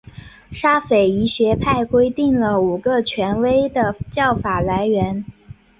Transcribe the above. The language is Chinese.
沙斐仪学派规定了五个权威的教法来源。